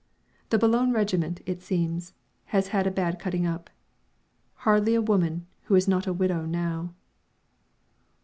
The Boulogne regiment, it seems, has had a bad cutting up. Hardly a woman who is not a widow now.